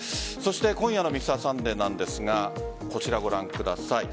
今夜の「Ｍｒ．サンデー」なんですがこちら、ご覧ください。